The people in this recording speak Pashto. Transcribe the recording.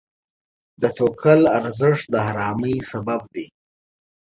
د توکل ارزښت د آرامۍ سبب دی.